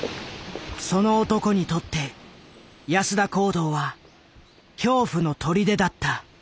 その男にとって安田講堂は恐怖の砦だった。